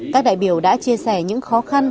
các đại biểu đã chia sẻ những khó khăn